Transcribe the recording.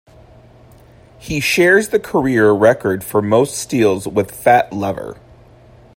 He shares the career record for most steals with Fat Lever.